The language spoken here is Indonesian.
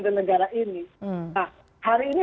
dan negara ini nah hari ini